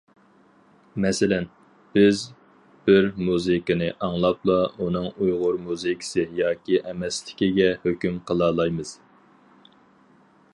مەسىلەن: بىز بىر مۇزىكىنى ئاڭلاپلا، ئۇنىڭ ئۇيغۇر مۇزىكىسى ياكى ئەمەسلىكىگە ھۆكۈم قىلالايمىز.